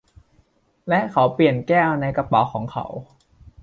และ เขาเปลี่ยนแก้วในกระเป๋าของเขา